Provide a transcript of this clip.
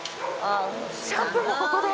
シャンプーもここで？